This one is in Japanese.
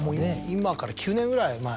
今から９年ぐらい前。